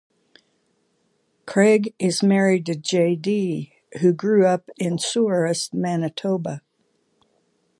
Craig is married to Jaydee, who grew up in Souris, Manitoba.